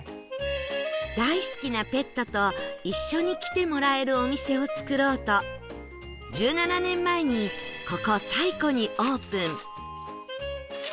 大好きなペットと一緒に来てもらえるお店を作ろうと１７年前にここ西湖にオープン